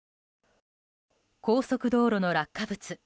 高速道路の落下物。